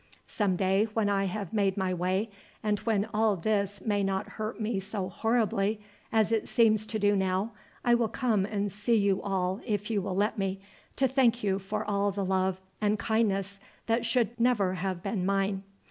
Some day when I have made my way, and when all this may not hurt me so horribly as it seems to do now, I will come and see you all if you will let me, to thank you all for the love and kindness that should never have been mine.